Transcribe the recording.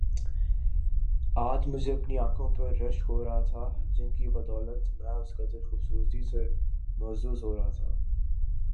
آج مجھے اپنی انکھوں پر رشک ہو رہا تھا جن کی بدولت میں اس قدر خوبصورتی سے محظوظ ہو رہا تھا